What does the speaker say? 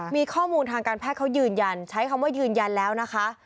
มีข้อมูลทางการแพทย์เขายืนยันใช้คำว่ายืนยันแล้วนะคะ